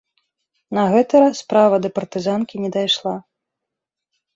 На гэты раз справа да партызанкі не дайшла.